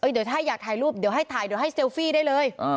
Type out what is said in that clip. เดี๋ยวถ้าให้อยากถ่ายรูปก็ถ่ายได้เลย